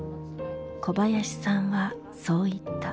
小林さんはそう言った。